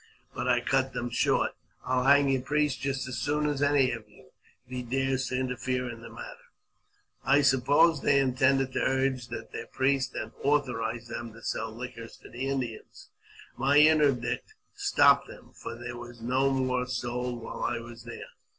But I cut them short. " I'll hang your priest just as soon as any of you," I said, " if he dares to interfere in the matter." I suppose they intended to urge that their priest had AUTOBIOGBAPHY OF JAMES P. BECKWOUBTH. 413 authorized them to sell liquors to the Indians. My interdict stopped them, for there was no more sold while I was there.